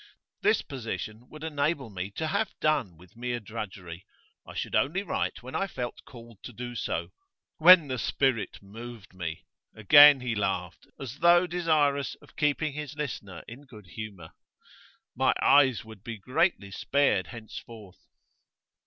This position would enable me to have done with mere drudgery; I should only write when I felt called to do so when the spirit moved me.' Again he laughed, as though desirous of keeping his listener in good humour. 'My eyes would be greatly spared henceforth.